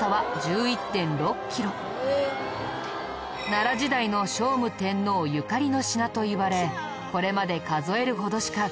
奈良時代の聖武天皇ゆかりの品といわれこれまで数えるほどしか切り取られていないんだ。